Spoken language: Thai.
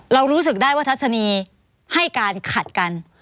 เรารู้สึกได้ว่าทัศนีให้การขัดกัน